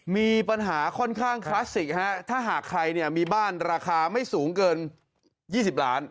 มีปัญหาค่อนข้างคลาสสิกฮะถ้าหากใครเนี่ยมีบ้านราคาไม่สูงเกิน๒๐ล้าน